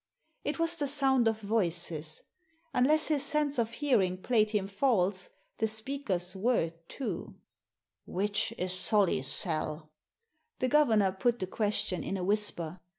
It was the sound of voices. Unless his sense of hearing played him fedse the speakers were two. "Which is Solly's cell?" The governor put the question in a whisper.